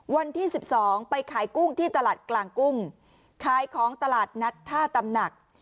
วันที่๑๒ไปขายกุ้งที่ตลาดกลางกุ้งขายของตลาดนัดท่าตำหนัก